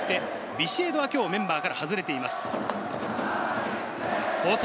ビシエドは今日メンバーから外れています。